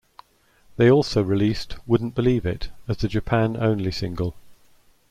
They also released Wouldn't Believe It as a Japan-Only single.